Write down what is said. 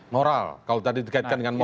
moral kalau tadi dikatakan dengan moral